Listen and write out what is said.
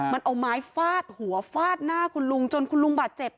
มันเอาไม้ฟาดหัวฟาดหน้าคุณลุงจนคุณลุงบาดเจ็บ